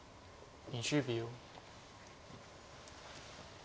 ２０秒。